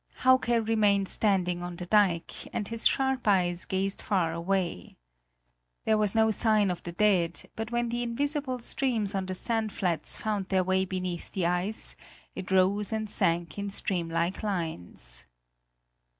Hauke remained standing on the dike, and his sharp eyes gazed far away. There was no sign of the dead; but when the invisible streams on the sand flats found their way beneath the ice, it rose and sank in streamlike lines.